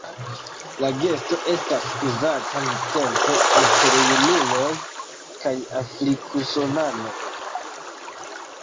La gesto estas uzata nuntempe inter junuloj kaj afrik-usonanoj.